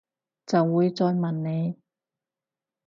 就會再問你